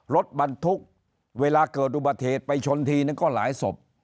รถบรรทุกเวลาเกิดอุบัติเหตุไปชนทีนึงก็หลายศพ